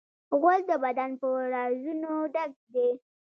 غول د بدن په رازونو ډک دی.